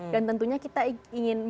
dan tentunya kita ingin